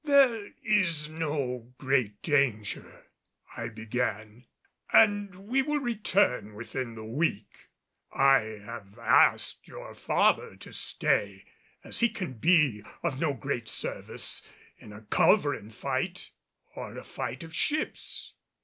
"There is no great danger," I began, "and we will return within the week. I have asked your father to stay, as he can be of no great service in a culverin fight, or a fight of ships.